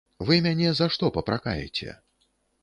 Вы мяне за што папракаеце?